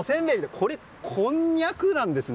これ、こんにゃくなんですね。